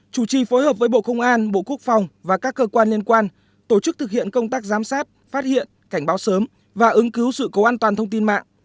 chủ trì phối hợp với bộ công an bộ quốc phòng và các cơ quan liên quan tổ chức thực hiện công tác giám sát phát hiện cảnh báo sớm và ứng cứu sự cố an toàn thông tin mạng